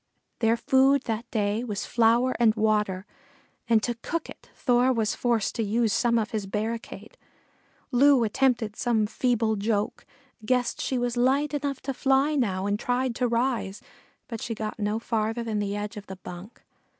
Their food that day was flour and water, and to cook it Thor was forced to use some of his barricade. Loo attempted some feeble joke, guessed she was light enough to fly now and tried to rise, but she got no farther than the edge of the bunk.